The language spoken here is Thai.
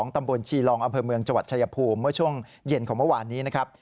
ตำบลชีลองอำเภอเมืองจังหวัดชายภูมิเมื่อช่วงเย็นของเมื่อวานนี้นะครับ